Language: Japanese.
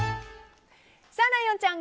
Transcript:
ライオンちゃん